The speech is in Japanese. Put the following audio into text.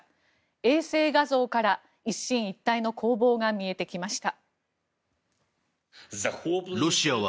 衛星画像から一進一退の攻防が見えてきました。